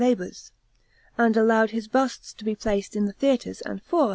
197 labours," and allowed his busts to be placed in the theatres and fora.